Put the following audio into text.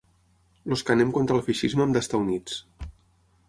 Els que anem contra el feixisme hem d’estar units.